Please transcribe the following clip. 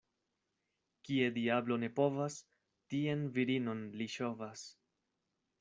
Kie diablo ne povas, tien virinon li ŝovas.